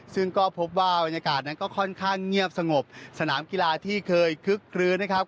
ซึ่งก็พบว่าบรรยากาศนั้นก็ค่อนข้างเงียบสงบสนามกีฬาที่เคยคึกคลื้นนะครับ